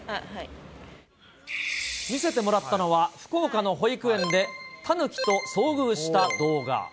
見せてもらったのは、福岡の保育園でタヌキと遭遇した動画。